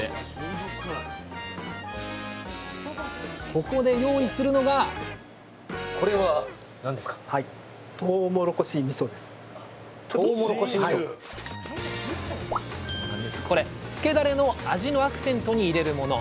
ここで用意するのがこれつけだれの味のアクセントに入れるもの。